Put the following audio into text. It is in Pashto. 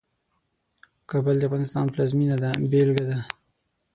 کابل د افغانستان پلازمېنه ده بېلګه ده.